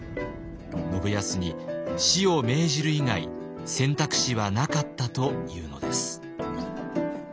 信康に死を命じる以外選択肢はなかったというのです。